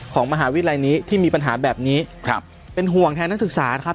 ของมหาวิทยาลัยนี้ที่มีปัญหาแบบนี้ครับเป็นห่วงแทนนักศึกษานะครับ